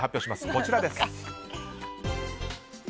こちらです。